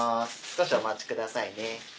少しお待ちくださいね。